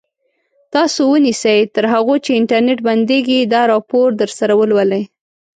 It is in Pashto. تاسو ونیسئ تر هغو چې انټرنټ بندېږي دا راپور درسره ولولئ.